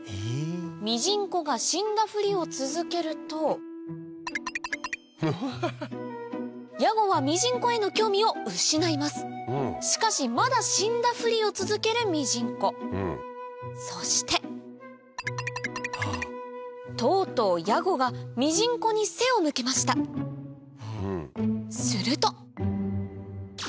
ミジンコが死んだふりを続けるとヤゴはミジンコへの興味を失いますしかしまだ死んだふりを続けるミジンコそしてとうとうヤゴがミジンコに背を向けましたすると！